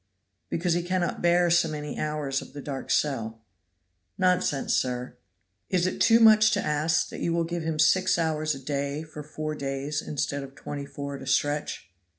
"Because he cannot bear so many hours of the dark cell." "Nonsense, sir." "Is it too much to ask that you will give him six hours a day for four days instead of twenty four at a stretch?"